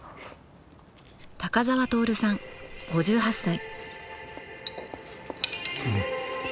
高沢徹さん５８歳。